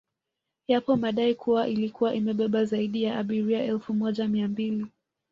Yapo madai kuwa ilikuwa imebeba zaidi ya abiria elfu moja mia mbili